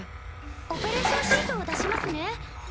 オペレーションシート出しますね。